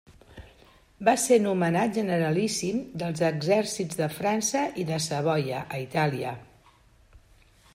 Va ser nomenat generalíssim dels exèrcits de França i de Savoia a Itàlia.